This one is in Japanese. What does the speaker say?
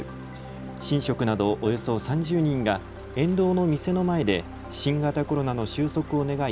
神職などおよそ３０人が沿道の店の前で新型コロナの収束を願い